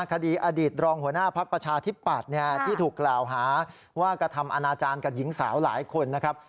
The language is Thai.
คดีอดีตรองหัวหน้าพักประชาธิปัตย์ที่ถูกกล่าวหาว่ากระทำอนาจารย์กับหญิงสาวหลายคนนะครับ